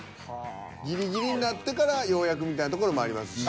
ギリギリになってからようやくみたいなところもありますし。